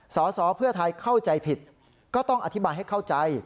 สอสอเพื่อไทยเข้าใจผิดก็ต้องอธิบายให้เข้าใจ